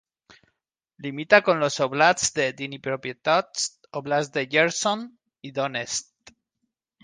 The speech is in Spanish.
Limita con los óblasts de Dnipropetrovsk, Óblast de Jersón y Donetsk.